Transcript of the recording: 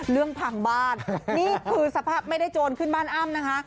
เรื่องพังบ้านนี่คือสภาพไม่ได้โจรขึ้นบ้านอ้ำนะคะ